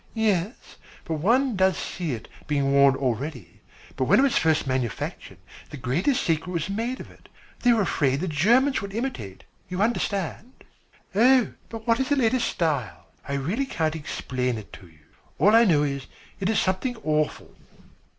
"Yes, one does see it being worn already, but when it was first manufactured, the greatest secret was made of it. They were afraid the Germans would imitate. You understand?" "Oh, but what is the latest style?" "I really can't explain it to you. All I know is, it is something awful."